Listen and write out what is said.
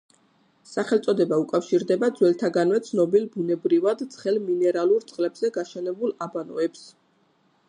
სახელწოდება უკავშირდება ძველთაგანვე ცნობილ ბუნებრივად ცხელ მინერალურ წყლებზე გაშენებულ აბანოებს.